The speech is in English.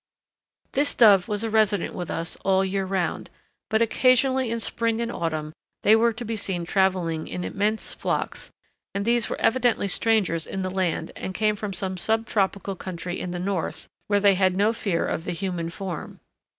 _ This dove was a resident with us all the year round, but occasionally in spring and autumn they were to be seen travelling in immense flocks, and these were evidently strangers in the land and came from some sub tropical country in the north where they had no fear of the human form.